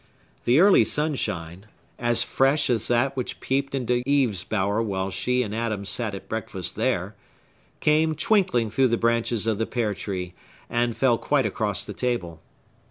The early sunshine—as fresh as that which peeped into Eve's bower while she and Adam sat at breakfast there—came twinkling through the branches of the pear tree, and fell quite across the table.